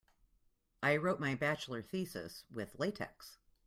I wrote my bachelor thesis with latex.